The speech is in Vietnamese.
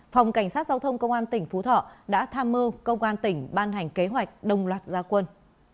phòng cảnh sát giao thông công an tỉnh phú thọ đã tham mưu công an tỉnh ban hành kế hoạch đồng loạt gia quân